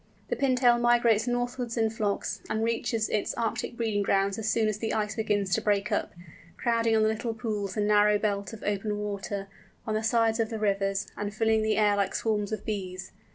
The Pintail migrates northwards in flocks, and reaches its Arctic breeding grounds as soon as the ice begins to break up, crowding on the little pools and narrow belt of open water, on the sides of the rivers, and filling the air like swarms of bees.